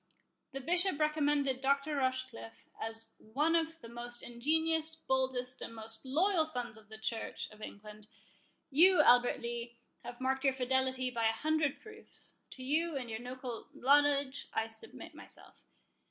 The Bishop recommended Dr. Rochecliffe as one of the most ingenious, boldest, and most loyal sons of the Church of England; you, Albert Lee, have marked your fidelity by a hundred proofs. To you and your local knowledge I submit myself.